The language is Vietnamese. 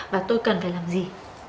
và tôi cần phải làm gì